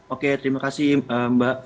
oke terima kasih mbak